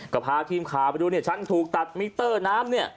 ก็พาทีมข่าวไปดูเนี่ยฉันถูกตัดมิเตอร์น้ำเนี่ย